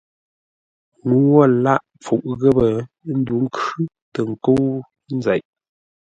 Ŋuu wə̂ lâghʼ pfuʼ ghəpə́ ńdǔ ńkhʉ́ tə nkə́u nzeʼ.